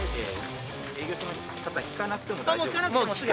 営業所の方に聞かなくても大丈夫ですから。